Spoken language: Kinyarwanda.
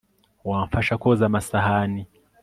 wamfasha koza amasahani